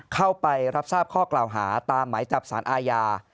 เข้าไปรับทราบข้อกล่าวหาตามหมายจับสารอาญา